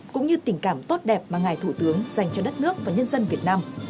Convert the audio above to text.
cũng như tình cảm tốt đẹp mà ngài thủ tướng dành cho đất nước và nhân dân việt nam